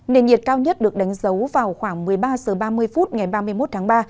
nền nhiệt cao nhất được đánh dấu vào khoảng một mươi ba h ba mươi phút ngày ba mươi một tháng ba